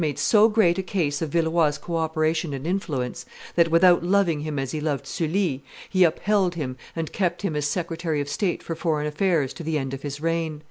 made so great a case of Villeroi's co operation and influence, that, without loving him as he loved Sully, he upheld him and kept him as secretary of state for foreign affairs to the end of his reign.